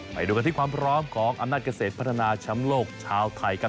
ไปดูกันที่ความพร้อมของอำนาจเกษตรพัฒนาแชมป์โลกชาวไทยครับ